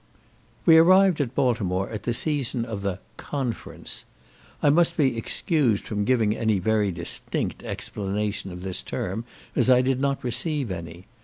We arrived at Baltimore at the season of the "Conference." I must be excused from giving any very distinct explanation of this term, as I did not receive any.